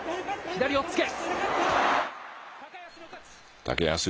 左押っつけ。